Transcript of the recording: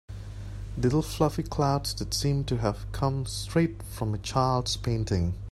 Little fluffy clouds that seemed to have come straight from a child’s painting.